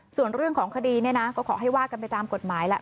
ส่วนเรื่องของคดีก็ขอให้วาดกันไปตามกฎหมายแล้ว